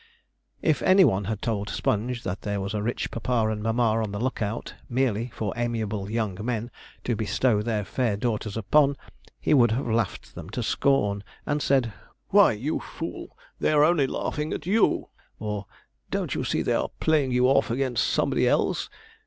If any one had told Sponge that there was a rich papa and mamma on the look out merely for amiable young men to bestow their fair daughters upon, he would have laughed them to scorn, and said, 'Why, you fool, they are only laughing at you'; or 'Don't you see they are playing you off against somebody else?'